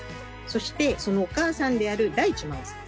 そしてそのお母さんである大地真央さん。